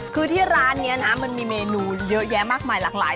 คือที่ร้านนี้นะมันมีเมนูเยอะแยะมากมายหลากหลาย